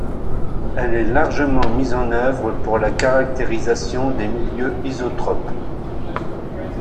Elle est largement mise en œuvre pour la caractérisation des milieux isotropes.